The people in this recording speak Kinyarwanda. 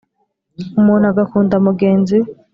umuntu agakunda mugenzi we